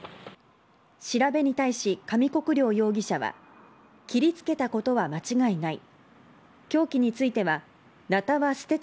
調べに対し、上國料容疑者は切りつけたことは間違いない。